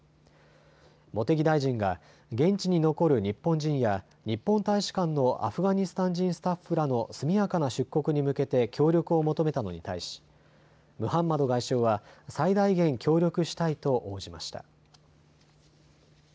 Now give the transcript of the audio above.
茂木大臣が現地に残る日本人や日本大使館のアフガニスタン人スタッフらの速やかな出国に向けて協力を求めたのに対し、ムハンマド外相は最大限協力したいと応じました。